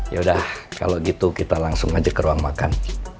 yaudah kalau gitu kita langsung aja ke ruang makan